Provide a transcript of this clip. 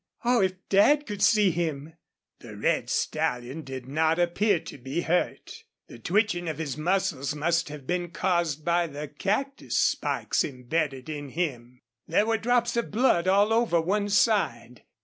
Oh, if Dad could see him!" The red stallion did not appear to be hurt. The twitching of his muscles must have been caused by the cactus spikes embedded in him. There were drops of blood all over one side.